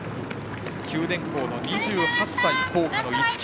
九電工の２８歳、福岡の逸木。